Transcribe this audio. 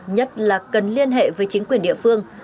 nhất là cần liên hệ với chính quyền địa phương